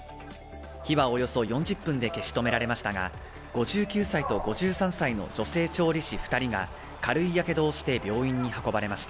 火はおよそ４０分で消し止められましたが、５９歳と５３歳の女性調理師２人が軽いけどをして病院に運ばれました。